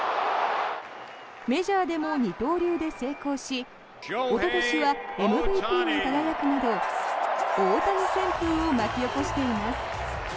メジャーでも二刀流で成功しおととしはＭＶＰに輝くなど大谷旋風を巻き起こしています。